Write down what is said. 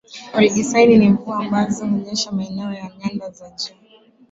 Olgisan ni Mvua ambazo hunyesha maeneo ya nyanda za juu